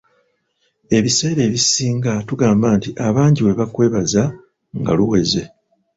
Ebiseera ebisinga tugamba nti abangi bwe bakwebaza nga luweze.